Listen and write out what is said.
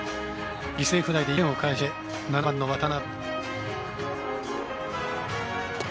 犠牲フライで１点を返して７番の渡邊。